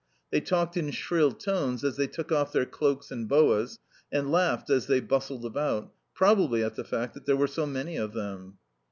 They talked in shrill tones as they took off their cloaks and boas, and laughed as they bustled about probably at the fact that there were so many of them!